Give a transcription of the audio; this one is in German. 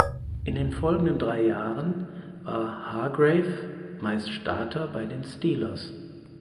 In den folgenden drei Jahren war Hargrave meist Starter bei den Steelers.